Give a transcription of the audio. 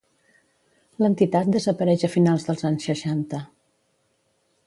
L'entitat desapareix a finals dels anys seixanta.